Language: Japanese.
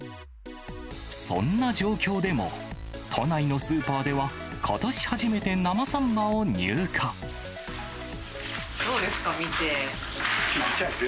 そんな状況でも、都内のスーパーでは、ことし初めて生サンマを入どうですか、見て。